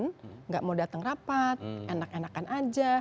tidak mau datang rapat enak enakan aja